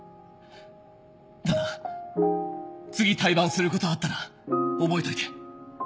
ただ次対バンすることあったら覚えといて。